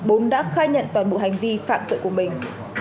bốn đã khắc và nhận toàn bộ hành vi phạm tội của mình